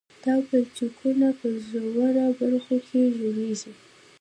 دا پلچکونه په ژورو برخو کې جوړیږي